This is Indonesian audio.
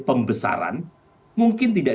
pembesaran mungkin tidak